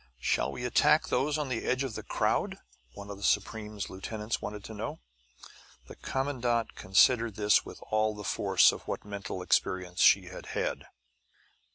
"Shall we attack those on the edge of the crowd?" one of Supreme's lieutenants wanted to know. The commandant considered this with all the force of what mental experience she had had.